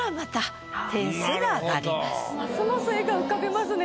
ますます画が浮かびますね。